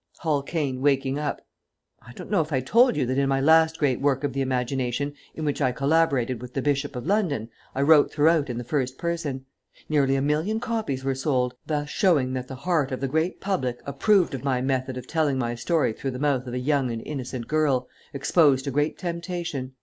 _ Hall Caine (waking up). _I don't know if I told you that in my last great work of the imagination, in which I collaborated with the Bishop of London, I wrote throughout in the first person. Nearly a million copies were sold, thus showing that the heart of the great public approved of my method of telling my story through the mouth of a young and innocent girl, exposed to great temptation.